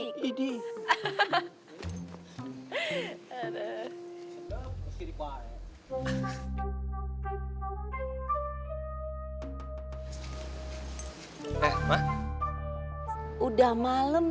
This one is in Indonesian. oh ini baru jam empat